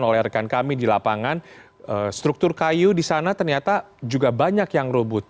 lalu dilaporkan kami di lapangan struktur kayu di sana ternyata juga banyak yang rebut